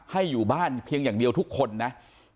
ให้อยู่บ้านเพียงอย่างเดียวทุกคนนะ